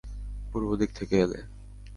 পূর্ব দিক থেকে এলে।